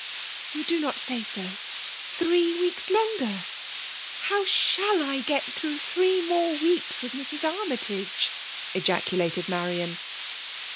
•* You do not say so 1 Three weeks longer ! How 9kaU I get through three more weeks with Mrs. Ann3^i^!*' Maculated Marian.